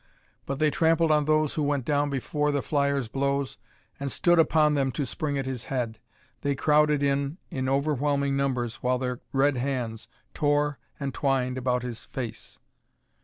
But they trampled on those who went down before the flyer's blows and stood upon them to spring at his head; they crowded in in overwhelming numbers while their red hands tore and twined about his face.